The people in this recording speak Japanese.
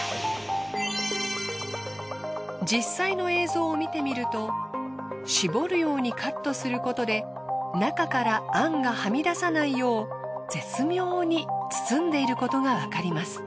実際の映像を見てみると絞るようにカットすることで中からあんがはみ出さないよう絶妙に包んでいることがわかります。